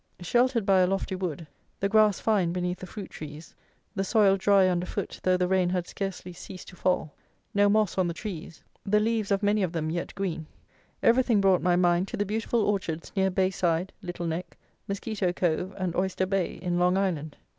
Sheltered by a lofty wood; the grass fine beneath the fruit trees; the soil dry under foot though the rain had scarcely ceased to fall; no moss on the trees; the leaves of many of them yet green; everything brought my mind to the beautiful orchards near Bayside, Little Neck, Mosquito Cove, and Oyster Bay, in Long Island.